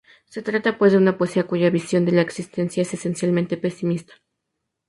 Se trata, pues, de una poesía cuya visión de la existencia es, esencialmente, pesimista.